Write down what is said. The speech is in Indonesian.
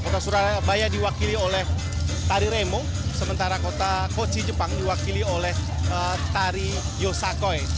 kota surabaya diwakili oleh tari remo sementara kota kochi jepang diwakili oleh tari yosakoi